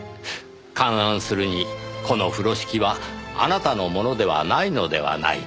勘案するにこの風呂敷はあなたのものではないのではないか。